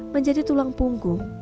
menjadi tulang punggung